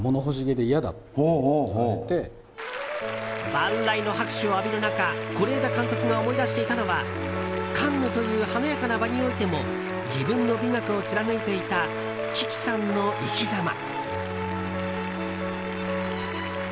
万雷の拍手を浴びる中是枝監督が思い出していたのはカンヌという華やかな場においても自分の美学を貫いていた樹木さんの生きざま。